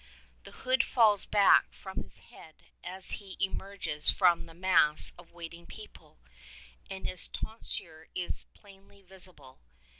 The hood falls back from his head as he emerges from the mass of waiting people, and his ton sure is plainly visible.